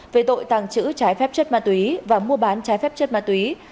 về tội tăng chữ trái phép chất ma túy và mua bán trái phép chất ma túy